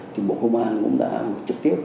thì bộ công an cũng đã trực tiếp